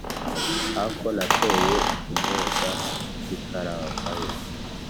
Ako nateye i Mwonga ntikaravayo-